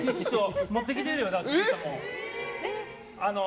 持ってきてるよ。